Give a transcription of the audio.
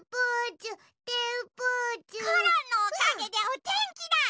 コロンのおかげでおてんきだ！